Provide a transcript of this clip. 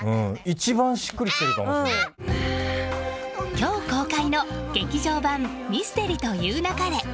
今日公開の劇場版「ミステリと言う勿れ」。